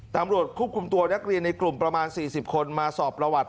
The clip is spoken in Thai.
ตามรวดคุกกลุ่มตัวนักเรียนในกลุ่มประมาณสี่สิบคนมาสอบประวัติ